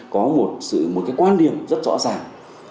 có một sự một cái quan điểm rất rõ ràng